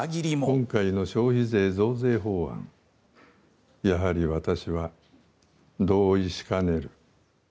今回の消費税増税法案やはり私は同意しかねる。